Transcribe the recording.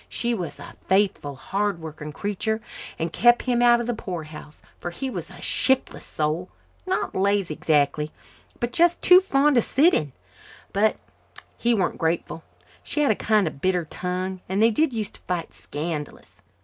She was a faithful, hard working creature and kept him out of the poorhouse, for he was a shiftless soul, not lazy, exactly, but just too fond of sitting. But he weren't grateful. She had a kind of bitter tongue and they did use to fight scandalous.